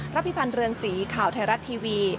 พิพันธ์เรือนสีข่าวไทยรัฐทีวี